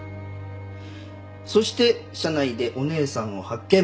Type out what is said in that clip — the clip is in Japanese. そして社内でお姉さんを発見。